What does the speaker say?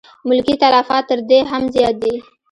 ملکي تلفات تر دې هم زیات دي.